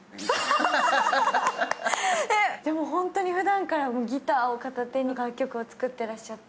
本当にふだんからギターを片手に楽曲を作ってらっしゃって。